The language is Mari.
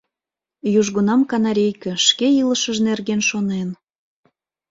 Южгунам канарейке шке илышыж нерген шонен.